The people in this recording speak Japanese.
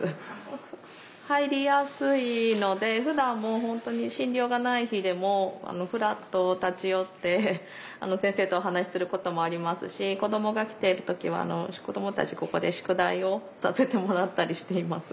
入りやすいのでふだんもほんとに診療がない日でもふらっと立ち寄って先生とお話しすることもありますし子どもが来ている時は子どもたちここで宿題をさせてもらったりしています。